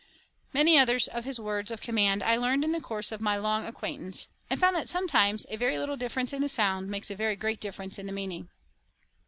Many others of his words of command I learned in the course of my long acquaintance, and found that sometimes a very little difference in the sound makes a very great difference in meaning.